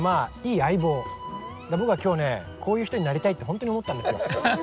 僕は今日ねこういう人になりたいってほんとに思ったんですよ。